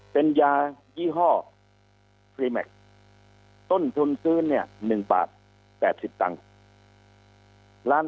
เป็นยายี่ห้อต้นทุนซื้อเนี่ยหนึ่งบาทแปดสิบตังค์ร้าน